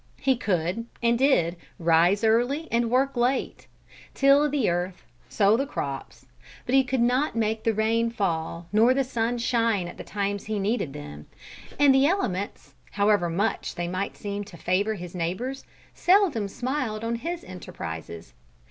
He could, and did, rise early and work late; till the earth, sow crops; but he could not make the rain fall nor the sun shine at the times he needed them, and the elements, however much they might seem to favour his neighbours, seldom smiled on his enterprises.